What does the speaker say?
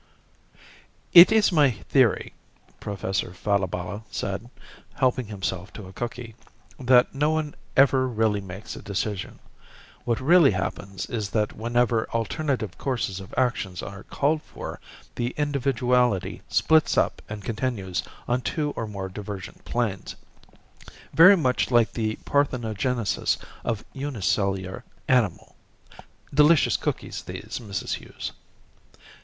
"It is my theory," Professor Falabella said, helping himself to a cookie, "that no one ever really makes a decision. What really happens is that whenever alternative courses of action are called for, the individuality splits up and continues on two or more divergent planes, very much like the parthenogenesis of a unicellular animal ... Delicious cookies these, Mrs. Hughes."